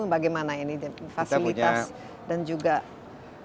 bagaimana ini fasilitas dan juga kebutuhan